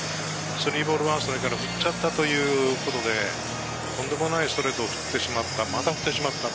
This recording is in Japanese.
３ボール１ストライクから振っちゃったということで、とんでもないストレートを振ってしまった。